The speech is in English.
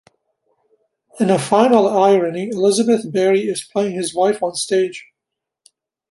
In a final irony, Elizabeth Barry is playing his wife on stage.